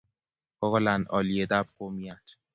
Kokolany olyetab kumiat